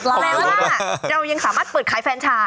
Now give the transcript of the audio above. แปลว่าเรายังสามารถเปิดขายแฟนชา